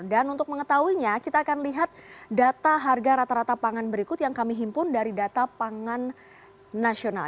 dan untuk mengetahuinya kita akan lihat data harga rata rata pangan berikut yang kami himpun dari data pangan nasional